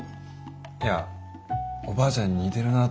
いやおばあちゃんににてるなと思ってさ。